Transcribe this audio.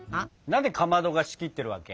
何でかまどが仕切ってるわけ？